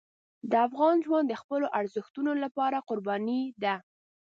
د افغان ژوند د خپلو ارزښتونو لپاره قرباني ده.